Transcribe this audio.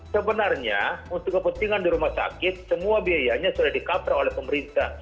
sebenarnya untuk kepentingan di rumah sakit semua biayanya sudah di cover oleh pemerintah